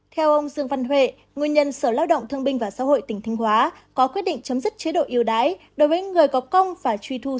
theo ông dương văn huệ người nhân sở lao động thương binh và xã hội tỉnh thánh hóa có quyết định chấm dứt chế độ yêu đái đối với người có công và truy thu số tiền hưởng